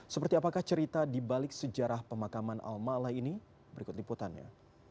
seperti apakah cerita di balik sejarah pemakaman al ma'la ini berikut liputannya